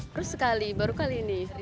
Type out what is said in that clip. terus sekali baru kali ini